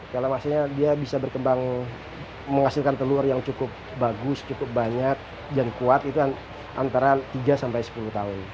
kalau maksudnya dia bisa berkembang menghasilkan telur yang cukup bagus cukup banyak dan kuat itu antara tiga sampai sepuluh tahun